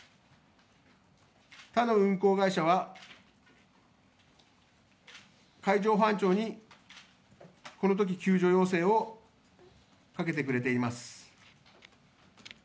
他の運航会社は、海上保安庁にこのとき救助要請をかけてくれています。